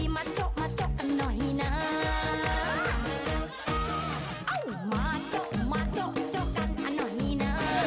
มาโจ๊กมาโจ๊กโจ๊กกันหน่อยน่า